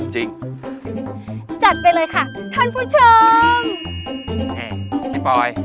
จริงดิ